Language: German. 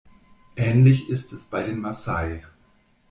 Ähnlich ist es bei den Massai.